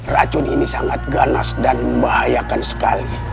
racun ini sangat ganas dan membahayakan sekali